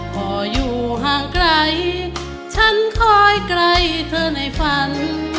พออยู่ห่างไกลฉันคอยไกลเธอในฝัน